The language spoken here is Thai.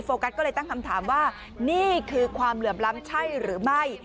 กัสก็เลยตั้งคำถามว่านี่คือความเหลื่อมล้ำใช่หรือไม่